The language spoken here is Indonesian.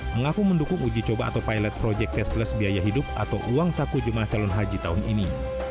mengaku mendukung uji coba atau pilot proyek testless biaya hidup atau uang saku jemaah calon haji tahun ini